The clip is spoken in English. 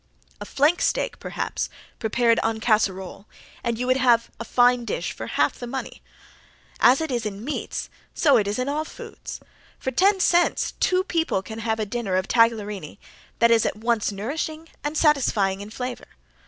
A flank steak, perhaps, prepared en casserole, and you would have a fine dish for half the money. As it is in meats so it is in all foods. For ten cents two people can have a dinner of tagliarini that is at once nourishing and satisfying in flavor.